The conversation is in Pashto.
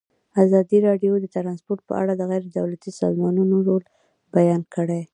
ازادي راډیو د ترانسپورټ په اړه د غیر دولتي سازمانونو رول بیان کړی.